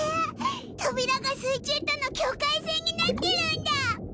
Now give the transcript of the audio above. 扉が水中との境界線になってるんだ！